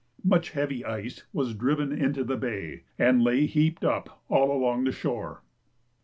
Much heavy ice was driven into the bay and lay heaped up all along the shore.